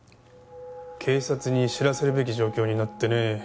警察に知らせるべき状況になってね。